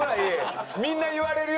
みんな言われるよ